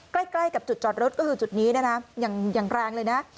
ใกล้กับจุดจอดรถก็คือจุดนี้นะอย่างแรงเลยนะ